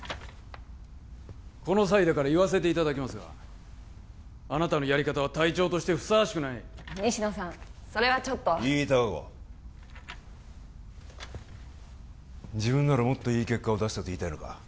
この際だから言わせていただきますがあなたのやり方は隊長としてふさわしくない西野さんそれはちょっといい隆子自分ならもっといい結果を出せたと言いたいのか？